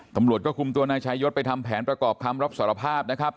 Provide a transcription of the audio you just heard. ตำรวจก็คุมตัวนายชายศไปทำแผนประกอบคำรับสารภาพนะครับ